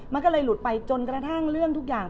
มันก็เลยหลุดไปจนกระทั่งเรื่องทุกอย่าง